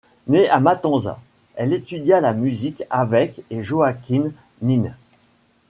Née à Matanzas, elle étudia la musique avec et Joaquin Nin.